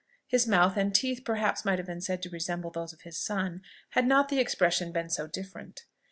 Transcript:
His mouth and teeth perhaps might have been said to resemble those of his son, had not the expression been so different.